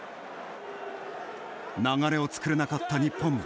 流れを作れなかった日本。